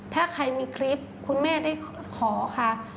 ถ้าใครมีคลิปคุณแม่ได้ขอค่ะ